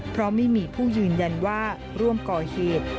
เพราะไม่มีผู้ยืนยันว่าร่วมก่อเหตุ